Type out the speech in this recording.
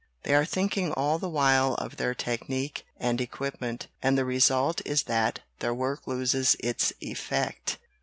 They are thinking all the while of their technique and equipment, and the result is that their work loses its effect.